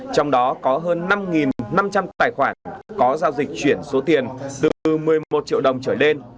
trong đó có hơn năm năm trăm linh tài khoản có giao dịch chuyển số tiền từ một mươi một triệu đồng trở lên